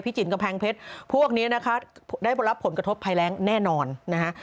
จินกำแพงเพชรพวกนี้นะคะได้รับผลกระทบภัยแรงแน่นอนนะคะ